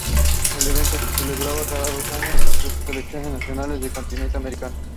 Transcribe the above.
El evento se celebra cada dos años entre las selecciones nacionales del Continente americano.